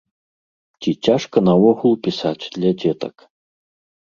Ці цяжка наогул пісаць для дзетак?